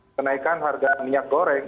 kenaikan harga minyak goreng